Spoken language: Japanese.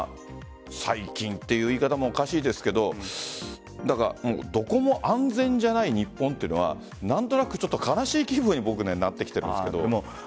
最近という言い方もおかしいですがどこも安全じゃない日本というのは何となく悲しい気分になってきてます。